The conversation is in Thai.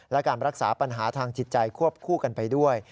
และการรักษาปัญหาทางจิตใจควบคู่กันไปด้วย